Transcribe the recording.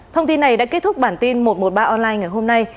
thông tin này đã kết thúc bản tin một trăm một mươi ba online ngày hôm nay